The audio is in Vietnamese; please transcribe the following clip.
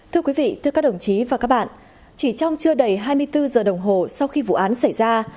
thưa quý vị thưa các đồng chí và các bạn chỉ trong chưa đầy hai mươi bốn giờ đồng hồ sau khi vụ án xảy ra